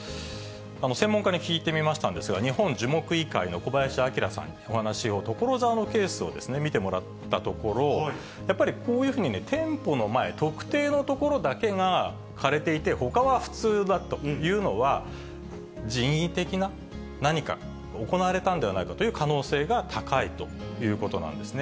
専門家に聞いてみましたんですが、日本樹木医会の小林明さん、お話を、所沢のケースを見てもらったところ、やっぱりこういうふうにね、店舗の前、特定の所だけが枯れていてほかは普通だというのは、人為的な何か、行われたんではないかという可能性が高いということなんですね。